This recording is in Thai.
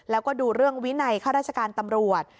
แล้วก็ดูเรื่องวินัยข้าราชการตำรวจ